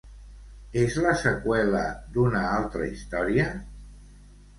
És la seqüela d'una altra història?